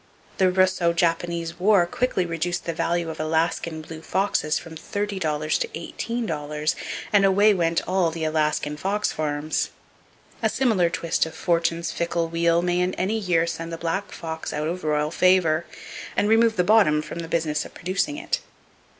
The Russo Japanese war quickly reduced the value of Alaskan blue foxes from $30 to $18; and away went the Alaskan fox farms! A similar twist of Fortune's fickle wheel may in any year send the black fox out of royal favor, and remove the bottom from the business of producing it.